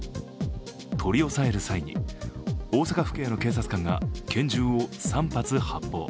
取り押さえる際に大阪府警の警察官が拳銃を３発発砲。